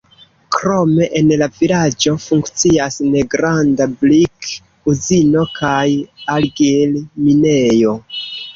Krome en la vilaĝo funkcias negranda brik-uzino kaj argil-minejo.